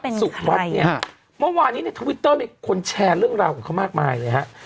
เมื่อวานนี้ทวิตเตอร์มีคนแชร์เรื่องราวของเขามากมายเลยครับ